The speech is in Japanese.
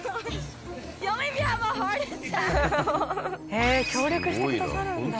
へえ協力してくださるんだ。